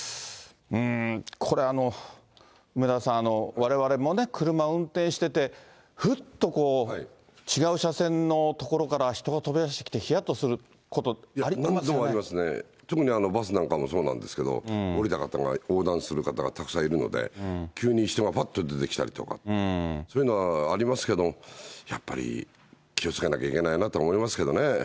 これ、梅沢さん、われわれもね、車を運転してて、ふっとこう、違う車線の所から人が飛び出してきて、ありますね、特にバスなんかもそうなんですけれども、降りた方が、横断する方がたくさんいるので、急に人がぱっと出てきたりとか、そういうのはありますけども、やっぱり気をつけなきゃいけないなと思いますけどね。